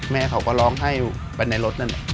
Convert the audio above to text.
แม่เขาก็ร้องให้ไปในรถนั้น